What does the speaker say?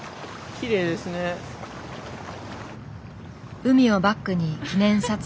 海をバックに記念撮影。